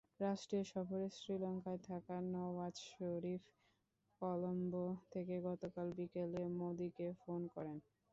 রাষ্ট্রীয় সফরে শ্রীলঙ্কায় থাকা নওয়াজ শরিফ কলম্বো থেকে গতকাল বিকেলে মোদিকে ফোন করেন।